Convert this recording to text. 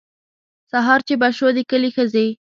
سهار چې به شو د کلي ښځې.